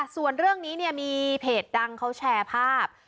ส่วนเรื่องนี้มีเพจดังเขาแชร์ภาพ